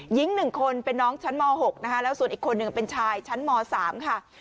หญิง๑คนเป็นน้องชั้นม๖นะคะแล้วส่วนอีกคนหนึ่งเป็นชายชั้นม๓ค่ะ